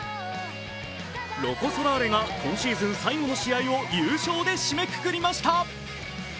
ロコ・ソラーレが今シーズン最後の試合を優勝で締めくくりました。